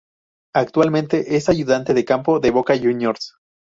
Actualmente es ayudante de campo de Boca Juniors.